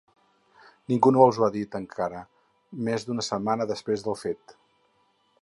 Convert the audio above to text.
Ningú no els ho ha dit encara, més d’una setmana després del fet.